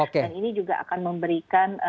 dan ini juga akan memberikan